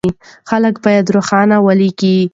خلک بايد روښانه وليکي.